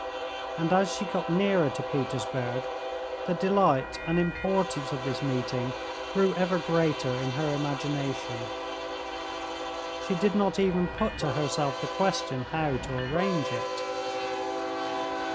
And as she got nearer to Petersburg, the delight and importance of this meeting grew ever greater in her imagination. She did not even put to herself the question how to arrange it.